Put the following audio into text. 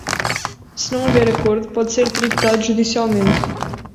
Se não houver acordo, pode ser tributado judicialmente.